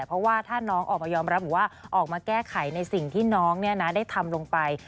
เพราะว่าถ้าน้องออกมายอมรับบอกว่าออกมาแก้ไขในสิ่งที่น้องได้ทำลงไป